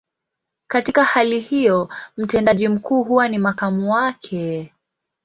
Katika hali hiyo, mtendaji mkuu huwa ni makamu wake.